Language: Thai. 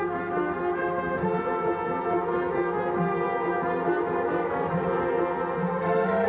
สวัสดีครับ